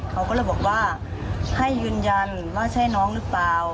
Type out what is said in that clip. เขาก็เลยบอกว่าให้ยืนยันว่าใช่น้องหรือเปล่า